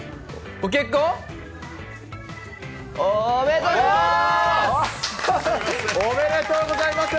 ご結婚おめでとうございます！